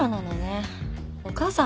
お母さんが。